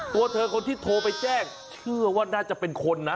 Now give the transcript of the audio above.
ตัวเธอคนที่โทรไปแจ้งเชื่อว่าน่าจะเป็นคนนะ